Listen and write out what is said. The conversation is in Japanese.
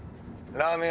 ラーメン